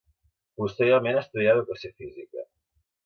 Posteriorment estudià educació física.